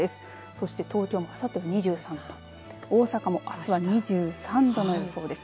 そして東京もあさってが２３度大阪はあすは２３度の予想です。